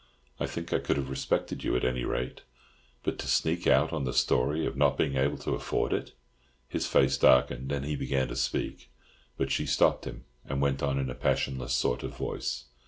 I think I could have respected you at any rate; but to sneak out on the story of not being able to afford it—" His face darkened, and he began to speak, but she stopped him, and went on in a passionless sort of voice.